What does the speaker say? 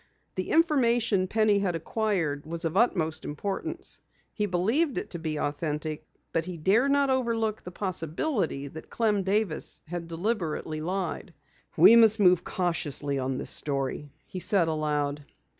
The information Penny had acquired was of utmost importance. He believed it to be authentic, but he dared not overlook the possibility that Clem Davis had deliberately lied. "We must move cautiously on this story," he said aloud.